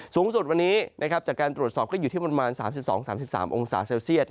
สูงสุดวันนี้นะครับจากการตรวจสอบก็อยู่ที่ประมาณ๓๒๓๓องศาเซลเซียต